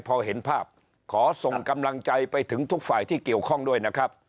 พอเห็นภาพขอส่งกำลังใจไปถึงทุกฝ่ายที่เกี่ยวข้องด้วยนะครับ